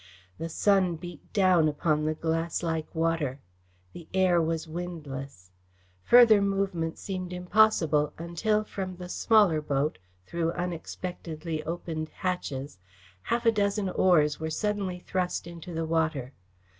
The sun beat down upon the glasslike water. The air was windless. Further movement seemed impossible until from the smaller boat, through unexpectedly opened hatches, half a dozen oars were suddenly thrust into the water.